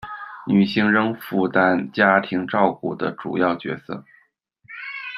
女性仍负担家庭照顾的主要角色